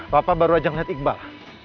papa baru aja ngeliat iqbal